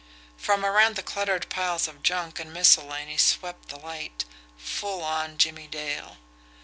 From around the cluttered piles of junk and miscellany swept the light full on Jimmie Dale.